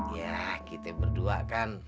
ya kita berdua kan